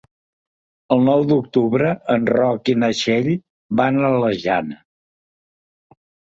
El nou d'octubre en Roc i na Txell van a la Jana.